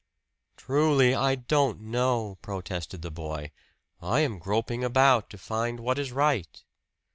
"Truly, I don't know!" protested the boy. "I am groping about to find what is right."